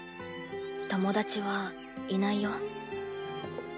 友達はいないよ。